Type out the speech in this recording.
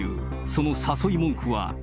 その誘い文句は。